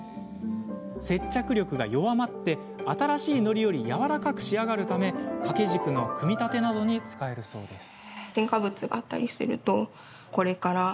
接着力が弱まり、新しいのりよりやわらかく仕上がるため掛け軸の組み立てなどに使えるそうです。